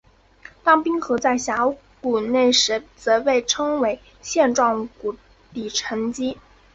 当冰河在峡谷内时则被称为线状谷底沉积。